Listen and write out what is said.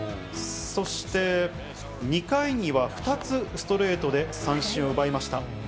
そして２回には、２つ、ストレートで三振を奪いました。